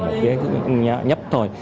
một cái nhấp thôi